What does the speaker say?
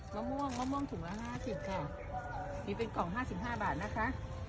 มะม่วงมะม่วงถุงละห้าสิบค่ะนี่เป็นกล่องห้าสิบห้าบาทนะคะ